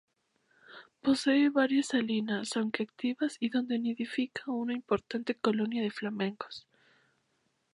Posee varias salinas aún activas y donde nidifica una importante colonia de flamencos.